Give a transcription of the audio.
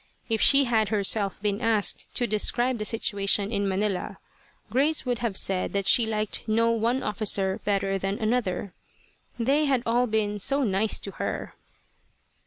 If she had herself been asked to describe the situation in Manila, Grace would have said that she liked no one officer better than another. They had all been "so nice" to her.